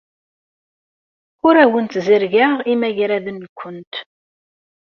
Ur awent-ẓerrgeɣ imagraden-nwent.